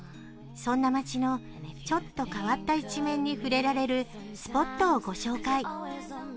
そんな街のちょっと変わった一面に触れられるスポットをご紹介。